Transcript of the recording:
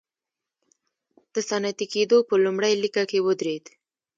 د صنعتي کېدو په لومړۍ لیکه کې ودرېد.